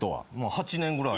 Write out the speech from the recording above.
８年ぐらい。